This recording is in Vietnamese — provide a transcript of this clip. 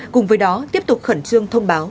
cùng với đó tiếp tục khẩn trương thông báo